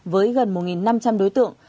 với gần một năm trăm linh đối tượng